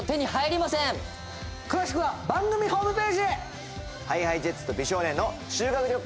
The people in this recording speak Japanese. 詳しくは番組ホームページへ！ＨｉＨｉＪｅｔｓと美少年の修学旅行